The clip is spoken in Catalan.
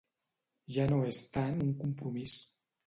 Ja no és tant un compromís.